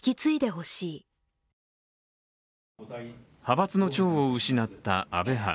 派閥の長を失った安倍派。